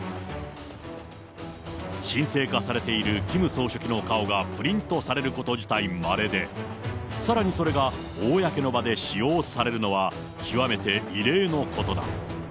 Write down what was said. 神聖化されているキム総書記の顔がプリントされること自体まれで、さらに、それが公の場で使用されるのは、極めて異例のことだ。